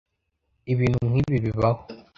Ibintu nkibi bibaho